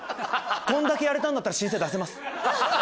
こんだけやれたんだったら申請出せます。